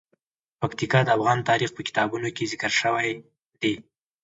پکتیکا د افغان تاریخ په کتابونو کې ذکر شوی دي.